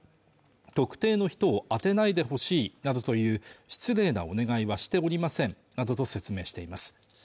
特定の人を当てないでほしいなどという失礼なお願いはしておりませんなどと説明しています